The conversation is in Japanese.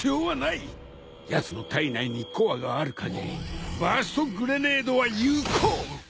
やつの体内にコアがあるかぎりバーストグレネードは有効！